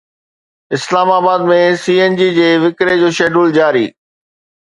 اسلام آباد ۾ C N G جي وڪري جو شيڊول جاري